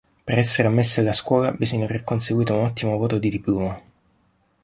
Per essere ammessi alla scuola bisogna aver conseguito un ottimo voto di diploma.